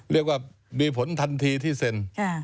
เรียกว่ามีผลทันทีที่เซ็น